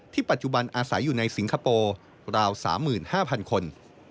ปัจจุบันอาศัยอยู่ในสิงคโปร์ราว๓๕๐๐๐คน